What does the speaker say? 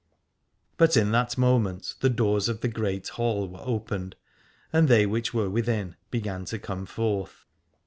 But in that moment the doors of the Great Hall were opened, and they which were within began to come forth.